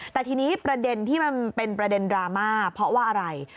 แต่ทีนี้ประเด็นที่มันเป็นประเด็นดราม่าเพราะว่าอะไร